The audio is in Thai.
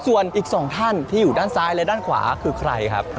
ส่วนอีก๒ท่านที่อยู่ด้านซ้ายและด้านขวาคือใครครับ